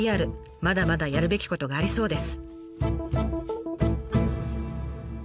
まだまだやるべきことがありそうです。